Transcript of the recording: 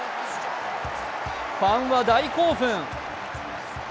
ファンは大興奮。